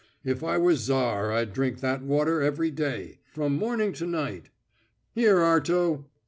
"If I were Tsar I'd drink that water every day ... from morning to night. Here, Arto!